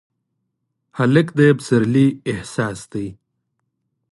هلک د پسرلي احساس دی.